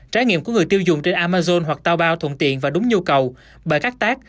trải nghiệm của người tiêu dùng trên amazon hoặc taobao thuận tiện và đúng nhu cầu bởi các tác